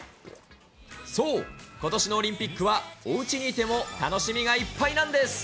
そう、ことしのオリンピックはおうちにいても楽しみがいっぱいなんです。